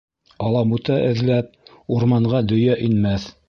Алабута эҙләп, урманға дөйә инмәҫ.